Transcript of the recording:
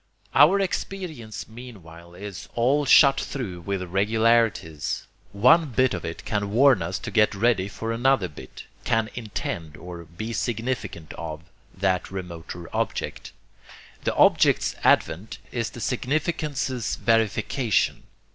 Our experience meanwhile is all shot through with regularities. One bit of it can warn us to get ready for another bit, can 'intend' or be 'significant of' that remoter object. The object's advent is the significance's verification.